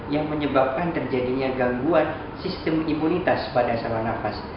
yang menyebabkan terjadinya gangguan sistem imunitas pada saluran nafas